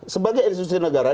sebagai institusi negara